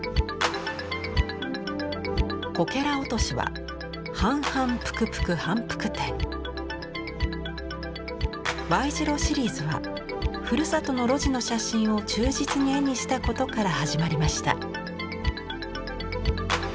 こけら落としは「Ｙ字路」シリーズはふるさとの路地の写真を忠実に絵にしたことから始まりました。